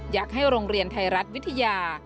อยากให้โรงเรียนไทยรัฐวิทยา